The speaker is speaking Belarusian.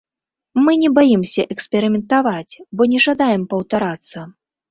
Мы не баімся эксперыментаваць, бо не жадаем паўтарацца.